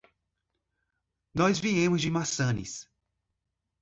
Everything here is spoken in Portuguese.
Nós viemos de Massanes.